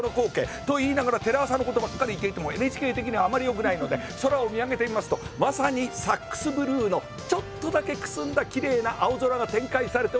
と言いながらテレ朝のことばっかり言っていてもＮＨＫ的にはあまりよくないので空を見上げてみますとまさにサックスブルーのちょっとだけくすんだきれいな青空が展開されております。